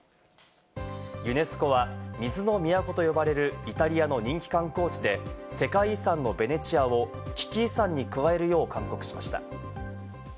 ユネスコは水の都と呼ばれるイタリアの人気観光地で、世界遺産のベネチアを危機遺産に加えるよう勧告しました。